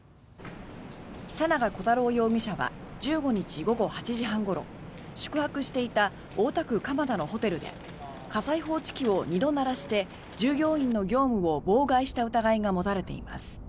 久永小太郎容疑者は１５日午後８時半ごろ宿泊していた大田区蒲田のホテルで火災報知機を２度鳴らして従業員の業務を妨害した疑いが持たれています。